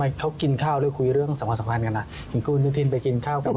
หนักการเรืองรัฐมนตรี